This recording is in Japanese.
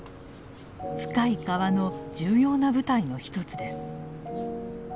「深い河」の重要な舞台の一つです。